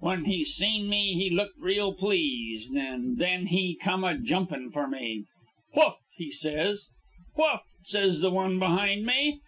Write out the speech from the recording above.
when he seen me he looked real pleased. And then he came a jumpin' for me. "'Whoof!' he says. "'Whoof!' says the one behind me.